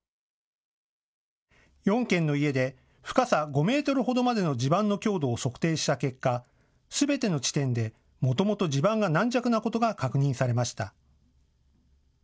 ４軒の家で深さ５メートルほどまでの地盤の強度を測定した結果、すべての地点で、もともと地盤が軟弱なことが確認されました。